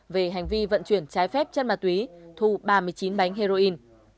về hành vi vận chuyển trái phép chất mạc túy thu ba mươi chín bánh heroin